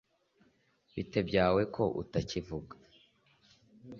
bite byawe ko utakivuga